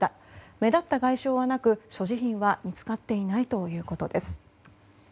目立った外傷はなく所持品は見つかっていないということです。